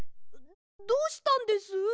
どうしたんです？